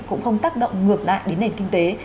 cũng không tác động ngược lại đến nền kinh tế